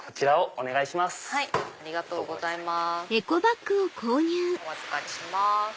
お預かりします。